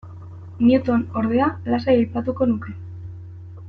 Newton, ordea, lasai aipatuko nuke.